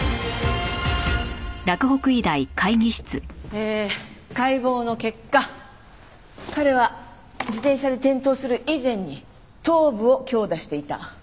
えー解剖の結果彼は自転車で転倒する以前に頭部を強打していた。